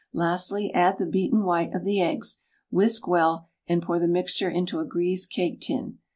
Lastly, add the beaten white of the eggs, whisk well, and pour the mixture into a greased cake tin.